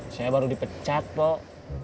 saya baru dipecat pok